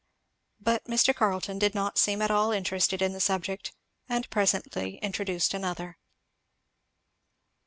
But Mr. Carleton did not seem at all interested in the subject, and presently introduced another.